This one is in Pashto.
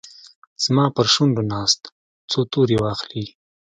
زما پرشونډو ناست، څو توري واخلې